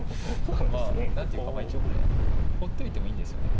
まあ何ていうか一応これほっといてもいいんですよね。